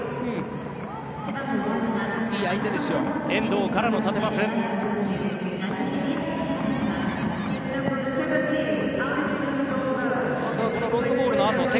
遠藤からの縦パス。